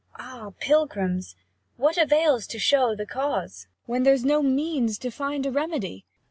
Cor. Ah pilgrims, what avails to shew the cause, 55 When there's no means to find a remedy